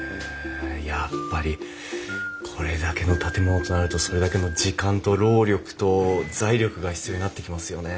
やっぱりこれだけの建物となるとそれだけの時間と労力と財力が必要になってきますよね。